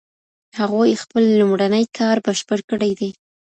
هغوی خپل لومړنی کار بشپړ کړی دی.